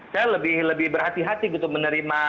saya lebih berhati hati gitu menerima